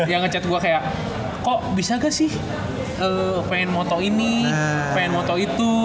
yang ngecet gue kayak kok bisa gak sih pengen moto ini pengen moto itu